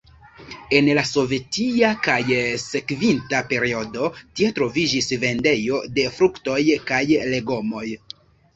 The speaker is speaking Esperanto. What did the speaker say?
En la sovetia kaj sekvinta periodo tie troviĝis vendejo de fruktoj kaj legomoj.